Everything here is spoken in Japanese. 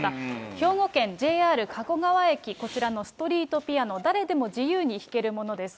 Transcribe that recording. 兵庫県ＪＲ加古川駅、こちらのストリートピアノ、誰でも自由に弾けるものです。